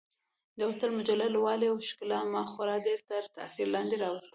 د هوټل مجلل والي او ښکلا ما خورا ډېر تر تاثیر لاندې راوستلی وم.